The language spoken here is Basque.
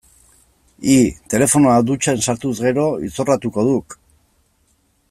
Hi, telefonoa dutxan sartuz gero, izorratuko duk.